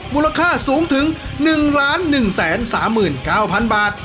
มูลค่าสูงถึง๑๑๓๙๐๐บาท